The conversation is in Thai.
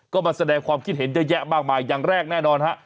ก็มาแสดงความคิดเห็นเยอะแยะมากมายอย่างแรกแน่นอนฮะ